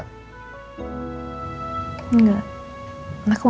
aku cuma mau panggil dokter